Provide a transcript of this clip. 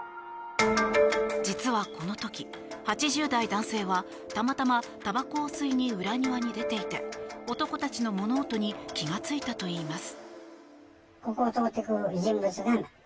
実はこの時、８０代男性はたまたま、たばこを吸いに裏庭に出ていて男たちの物音に気がついたといいます。